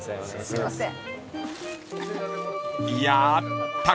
すいません。